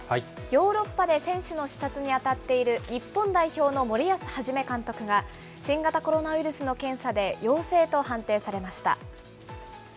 ヨーロッパで選手の視察に当たっている日本代表の森保一監督が、新型コロナウイルスの検査で陽性と判定されました。